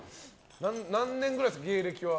何年ぐらいですか、芸歴は。